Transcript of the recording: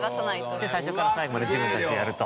で最初から最後まで自分たちでやると。